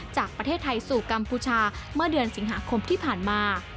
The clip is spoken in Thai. จากประเทศไทยสู่กัมพูชาเมื่อเดือนสิงหาคมที่ผ่านมา